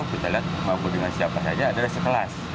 kita lihat mampu dengan siapa saja adalah sekelas